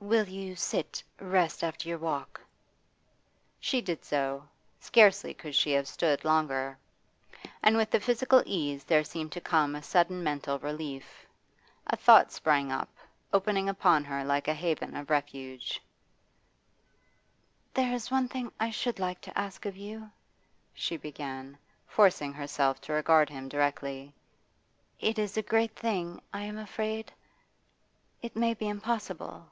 'Will you sit rest after your walk?' She did so; scarcely could she have stood longer. And with the physical ease there seemed to come a sudden mental relief. A thought sprang up, opening upon her like a haven of refuge. 'There is one thing I should like to ask of you,' she began, forcing herself to regard him directly. 'It is a great thing, I am afraid; it may be impossible.